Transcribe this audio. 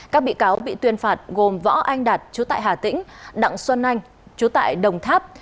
các bị cáo bị tuyên phạt gồm võ anh đạt chú tại hà tĩnh đặng xuân anh chú tại đồng tháp